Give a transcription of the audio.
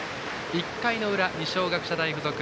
１回裏、二松学舎大付属